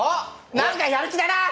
なんかやる気だな！